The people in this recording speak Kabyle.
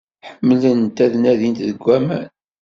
Ḥemmlent ad nadint deg aman.